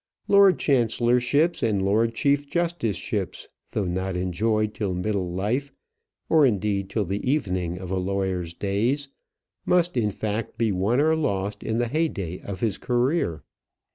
Lord chancellorships and lord chief justiceships, though not enjoyed till middle life, or, indeed, till the evening of a lawyer's days, must, in fact, be won or lost in the heyday of his career.